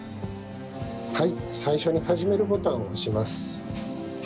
はい最初に「始める」ボタンを押します。